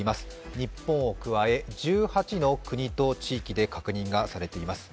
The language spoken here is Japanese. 日本を加え１８の国と地域で確認がされています。